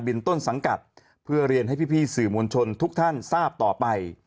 ต้นสังกัดเพื่อเรียนให้พี่สื่อมวลชนทุกท่านทราบต่อไป